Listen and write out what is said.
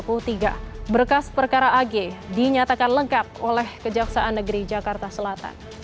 dua puluh satu maret dua ribu dua puluh tiga berkas perkara ag dinyatakan lengkap oleh kejaksaan negeri jakarta selatan